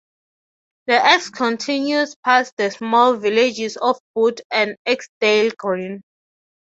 The Esk continues past the small villages of Boot and Eskdale Green.